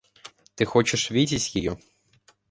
Ты хочешь видеть ее?